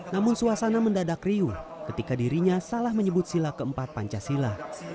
namun suasana mendadak riuh ketika dirinya salah menyebut sila keempat pancasila